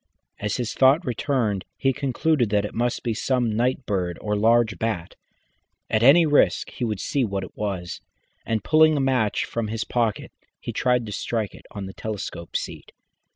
As his thought returned he concluded that it must be some night bird or large bat. At any risk he would see what it was, and pulling a match from his pocket, he tried to strike it on the telescope seat.